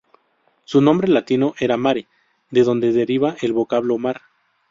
Su nombre latino era Mare, de donde deriva el vocablo mar.